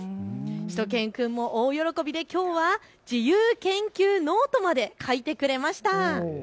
しゅと犬くんも大喜びできょうは自由研究ノートまで書いてくれました。